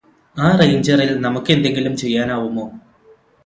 ആ റേഞ്ചറില് നമുക്കെന്തെങ്കിലും ചെയ്യാനാവുമോ